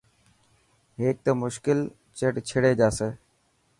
هيڪ ته مشڪل ڇڙي جاسي.